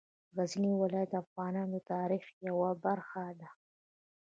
غزني ولایت د افغانانو د تاریخ یوه برخه ده.